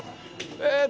えっと